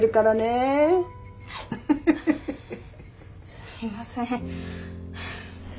すいません。